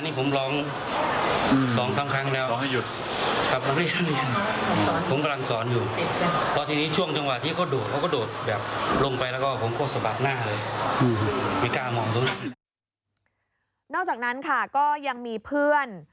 นอกจากนั้นค่ะก็ยังมีเพื่อน